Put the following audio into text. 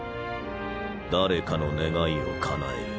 誰かの願いをかなえる。